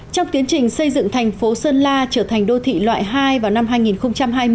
trong tiến trình xây dựng thành phố sơn la trở thành đô thị loại hai vào năm hai nghìn hai mươi